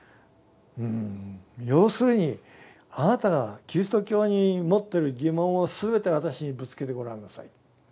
「うん要するにあなたがキリスト教に持ってる疑問を全て私にぶつけてごらんなさい。